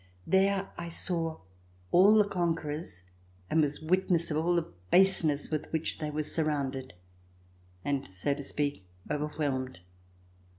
There I saw all the conquerors and was witness of all the baseness with which they were surrounded and so to speak overwhelmed.